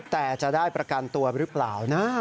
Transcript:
แต่จะได้ประกันตัวหรือเปล่านะ